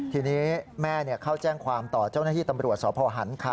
ทีนี้แม่เข้าแจ้งความต่อเจ้าหน้าที่ตำรวจสพหันคา